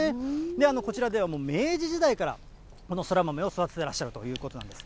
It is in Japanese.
こちらではもう明治時代から、このそら豆を育ててらっしゃるということなんです。